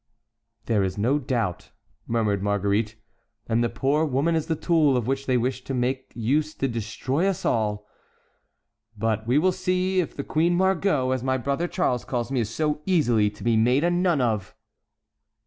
"There is now no doubt," murmured Marguerite, "and the poor woman is the tool of which they wish to make use to destroy us all. But we will see if the Queen Margot, as my brother Charles calls me, is so easily to be made a nun of."